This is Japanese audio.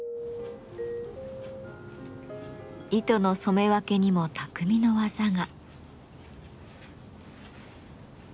糸の染め分けにも匠の技が。